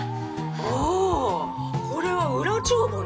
ああこれは裏帳簿ね。